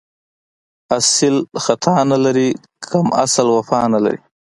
اصیل خطا نه لري، کم اصل وفا نه لري